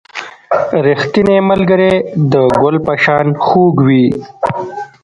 • ریښتینی ملګری د ګل په شان خوږ وي.